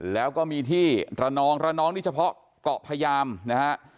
แล้วก็มีที่ระนองระนองนี่เฉพาะเกาะพยามนะฮะ